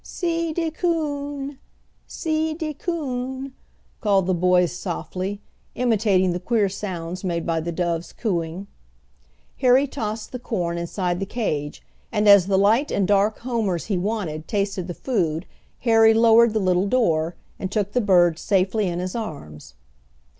"See de coon; see de coon!" called the boys softly, imitating the queer sounds made by the doves cooing. Harry tossed the corn inside the cage, and as the light and dark homers he wanted tasted the food Harry lowered the little door, and took the birds safely in his arms.